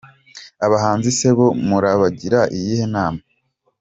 Abahanzi se bo murabagira iyihe nama?.